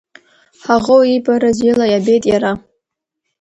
Ҳаӷоу иибарыз ила иабеит иара…